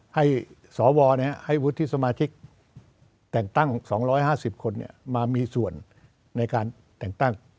ให้สวให้วุฒิสมาชิกแต่งตั้ง๒๕๐คนมามีส่วนในการแต่งตั้ง